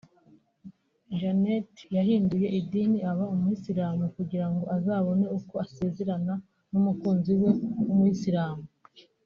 Janet yahinduye idini aba umuyisilamu kugira ngo azabone uko asezerana n’umukunzi we w’umuyisilamu